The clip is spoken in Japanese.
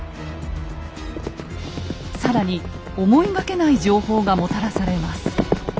更に思いがけない情報がもたらされます。